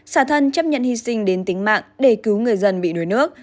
xả thân chấp nhận hy sinh đến tính mạng để cứu người dân bị đuối nước